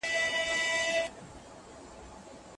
شراکت د ابن خلدون نظریاتو پر بنسټ د قبیلوي ټولني له لاري مهم دی.